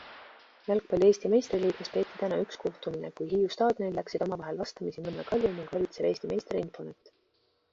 Jalgpalli Eesti meistriliigas peeti täna üks kohtumine, kui Hiiu staadionil läksid omavahel vastamisi Nõmme Kalju ning valitsev Eesti meister Infonet.